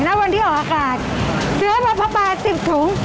แล้ววันที่ออกอากาศเชื้อมาพะปลา๑๐ถุง